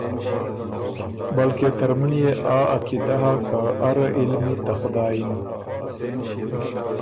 بلکې ترمُن يې آ عقیدۀ هۀ که اره علمی ته خدایٛ اِن